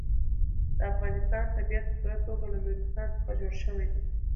د افغانستان طبیعت په پوره توګه له نورستان څخه جوړ شوی دی.